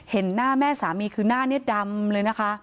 เห็นหน้าแม่สามีคือหน้านี้ดำเลยนะคะ